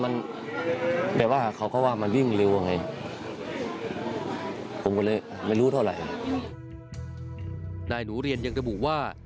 นายหนูเรียนยังระบุว่า